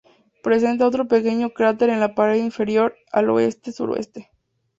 Presenta otro pequeño cráter en la pared interior, al oeste-suroeste.